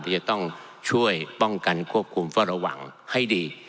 ที่จะต้องช่วยป้องกันควบคุมเพราะระหว่างให้ดี